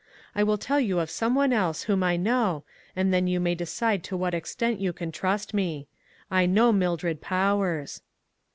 I will tell you of some one else whom I know, and then you may decide to what extent you can trust me. I know Mildred Powers."